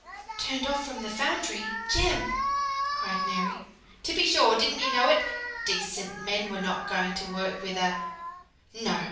"Turned off from the foundry! Jem?" cried Mary. "To be sure! didn't you know it? Decent men were not going to work with a no!